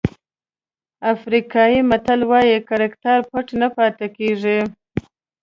افریقایي متل وایي کرکټر پټ نه پاتې کېږي.